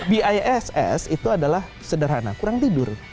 biss itu adalah sederhana kurang tidur